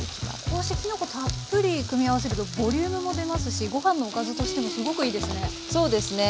こうしてきのこたっぷり組み合わせるとボリュームも出ますしご飯のおかずとしてもすごくいいですね。